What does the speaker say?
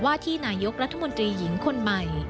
ที่นายกรัฐมนตรีหญิงคนใหม่